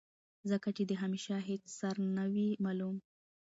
ځکه چې د همېشه هېڅ سر نۀ وي معلوم